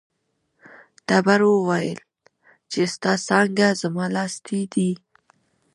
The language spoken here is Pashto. تبر وویل چې ستا څانګه زما لاستی دی.